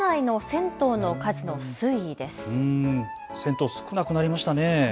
銭湯少なくなりましたね。